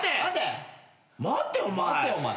待てお前。